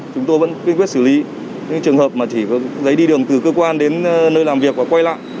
chúng tôi vẫn quy quyết xử lý những trường hợp mà chỉ có giấy đi đường từ cơ quan đến nơi làm việc và quay lại